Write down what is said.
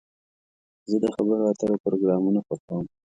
زه د خبرو اترو پروګرامونه خوښوم.